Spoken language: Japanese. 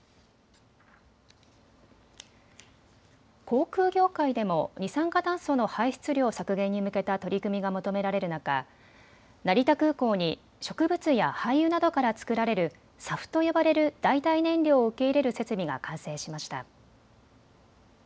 航空業界でも二酸化炭素の排出量削減に向けた取り組みが求められる中、成田空港に植物や廃油などから作られるＳＡＦと呼ばれる代替燃料を受け入れる設備が完成しました。